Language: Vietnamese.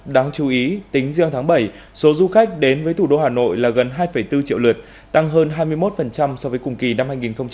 đáng chú ý tính riêng tháng bảy số du khách đến với thủ đô hà nội là gần hai bốn triệu lượt tăng hơn hai mươi một so với cùng kỳ năm hai nghìn một mươi chín